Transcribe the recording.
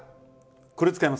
これ使います。